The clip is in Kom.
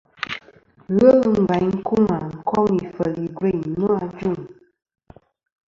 Ghelɨ ngvaynkuma koŋ ifel igveyn no.